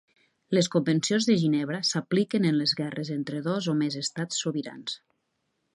Les Convencions de Ginebra s'apliquen en les guerres entre dos o més estats sobirans.